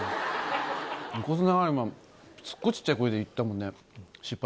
横綱が今スゴい小っちゃい声で言ったもんね。